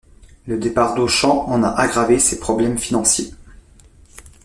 Le départ d'Auchan en a aggravé ces problèmes financiers.